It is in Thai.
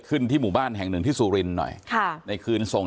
ที่หมู่บ้านแห่งหนึ่งที่สุรินทร์หน่อยค่ะในคืนส่ง